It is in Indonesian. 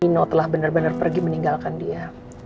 mino telah bener bener pergi meninggalkan dia